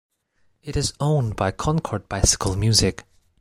It is owned by Concord Bicycle Music.